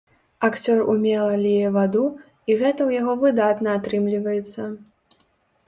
Акцёр умела ліе ваду, і гэта ў яго выдатна атрымліваецца.